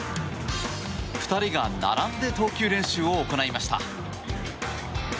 ２人が並んで投球練習を行いました。